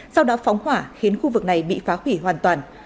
sau đó phóng hỏa khiến khu vực này bị phá hủy hoàn toàn